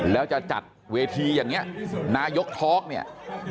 แล้วจะจัดเวทีอย่างนี้นายกทอล์กเนี่ย